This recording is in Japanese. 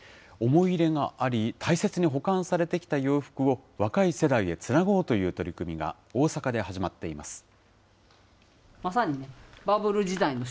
思い入れがあり、大切に保管されてきた洋服を若い世代へつなごうという取り組みが、大阪で始まっています。